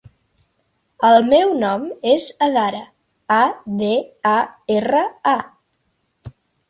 El meu nom és Adara: a, de, a, erra, a.